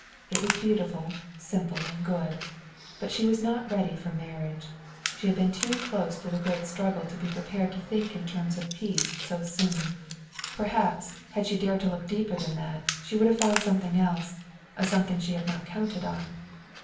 It was beautiful, simple and good. But she was not ready for marriage. She had been too close to the great struggle to be prepared to think in terms of peace so soon. Perhaps, had she dared to look deeper than that, she would have found something else, a something she had not counted on.